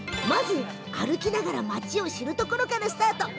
歩きながら町を知るところからスタート。